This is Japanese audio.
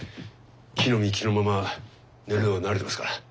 着のみ着のまま寝るのは慣れてますから。